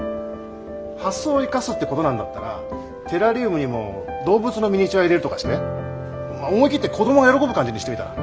発想を生かすってことなんだったらテラリウムにも動物のミニチュア入れるとかして思い切って子どもが喜ぶ感じにしてみたら？